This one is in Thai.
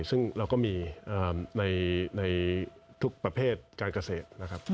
ซึ่งเราก็มีในทุกประเภทการเกษตรนะครับ